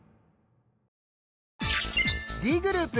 Ｄグループ